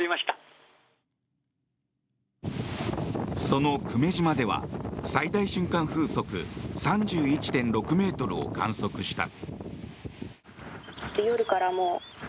その久米島では最大瞬間風速３１．６ｍを観測した。